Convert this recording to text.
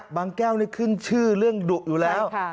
แก้วนี่ขึ้นชื่อเรื่องดุอยู่แล้ว